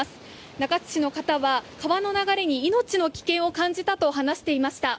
中津市の方は川の流れに命の危険を感じたと話していました。